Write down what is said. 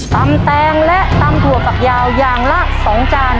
ตำแตงและตำถั่วปะยาอย่างละ๒จาน